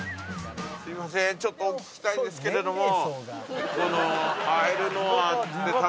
すいませんちょっと聞きたいんですけれども。